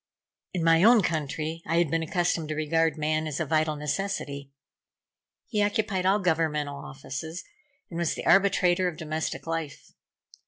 In my own country I had been accustomed to regard man as a vital necessity. He occupied all governmental offices, and was the arbitrator of domestic life.